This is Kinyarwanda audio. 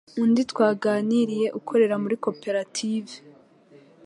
Undi twaganiriye ukorera muri koperative